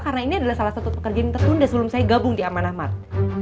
karena ini adalah salah satu pekerjaan tertunda sebelum saya gabung di amanah mart